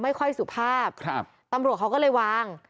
ไม่ค่อยสุภาพครับตำรวจเขาก็เลยวาง